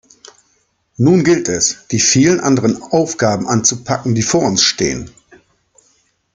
Nun gilt es, die vielen anderen Aufgaben anzupacken, die vor uns stehen.